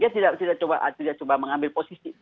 dia tidak coba mengambil posisi